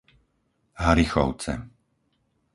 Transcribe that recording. Harichovce